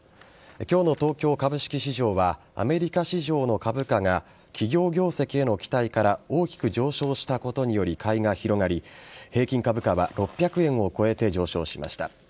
今日の東京株式市場はアメリカ市場の株価が企業業績への期待から大きく上昇したことにより買いが広がり平均株価は６００円を超えて上昇しました。